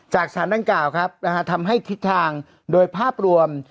จากสารดังกล่าวครับทำให้ทิศทางโดยภาพรวม